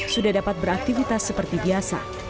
sudah dapat beraktivitas seperti biasa